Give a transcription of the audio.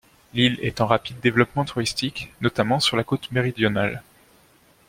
L'île est en rapide développement touristique, notamment sur la côte méridionale.